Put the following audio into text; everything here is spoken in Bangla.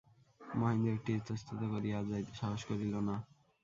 মহেন্দ্র একটু ইতস্তত করিয়া আর যাইতে সাহস করিল না।